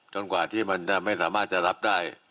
กว่าที่มันจะไม่สามารถจะรับได้